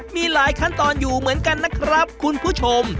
มีหลายขั้นตอนอยู่เหมือนกันนะครับคุณผู้ชม